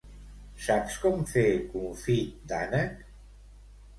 Saps com fer confit d'ànec?